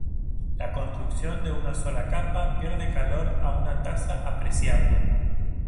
La construcción de una sola capa pierde calor a una tasa apreciable.